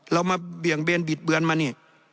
เรามาเบี่ยงเบนบิดเบือนมานี่